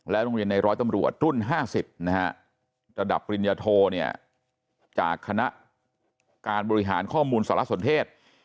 โรงเรียนในร้อยตำรวจรุ่น๕๐ระดับปริญญาโทจากคณะการบริหารข้อมูลสารสนเทศ